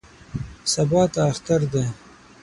سبا ته اختر دی.